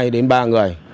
hai đến ba người